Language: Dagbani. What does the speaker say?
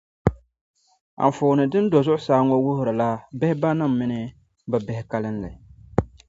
Anfooni din do zuɣusaa ŋɔ wuhiri la bihibanim mini bɛ bihi kalinli.